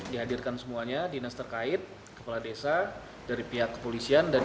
dihadirkan semuanya dinas terkait kepala desa dari pihak kepolisian